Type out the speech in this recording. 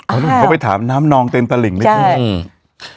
อ้ายเขาไปถามน้ำนองเต็มตะหลิงได้ไหม